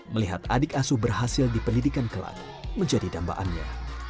melihat adik asuh berhasil di pendidikan kelat menjadi tambaannya